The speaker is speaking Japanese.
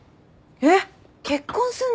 えっ？